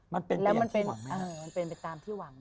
มันเป็นตามที่หวังไหม